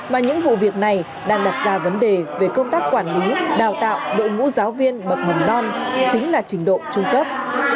mà những vụ việc này đang đặt ra vấn đề về công tác quản lý đào tạo đội ngũ giáo viên bậc mầm non chính là trình độ trung cấp